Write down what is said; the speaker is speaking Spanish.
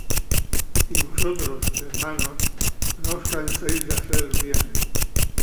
Y vosotros, hermanos, no os canséis de hacer bien.